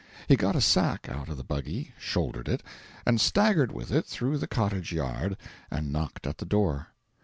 He got a sack out of the buggy, shouldered it, and staggered with it through the cottage yard, and knocked at the door.